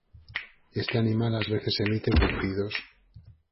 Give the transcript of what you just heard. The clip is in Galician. Este animal ás veces emite bufidos.